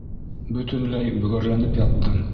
Бөтөнләй бөгәрләнеп яттым.